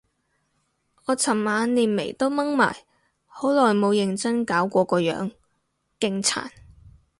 我尋晚連眉都掹埋，好耐冇認真搞過個樣，勁殘